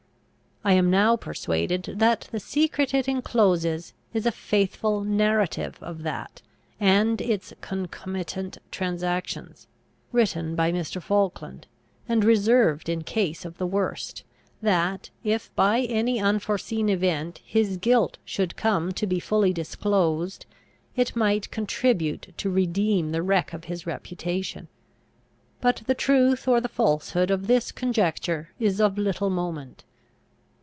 I am now persuaded that the secret it encloses, is a faithful narrative of that and its concomitant transactions, written by Mr. Falkland, and reserved in case of the worst, that, if by any unforeseen event his guilt should come to be fully disclosed, it might contribute to redeem the wreck of his reputation. But the truth or the falsehood of this conjecture is of little moment.